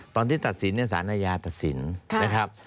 ตอนที่ตัดสินเนี่ยศาลอายาตัดสินนะครับ